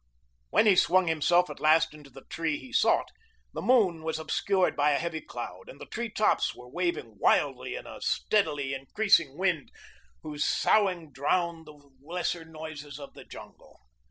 When he swung himself at last into the tree he sought, the moon was obscured by a heavy cloud, and the tree tops were waving wildly in a steadily increasing wind whose soughing drowned the lesser noises of the jungle.